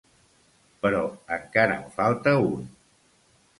Però encara en falta un.